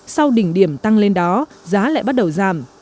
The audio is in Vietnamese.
sau đỉnh điểm tăng lên đó giá lại bắt đầu giảm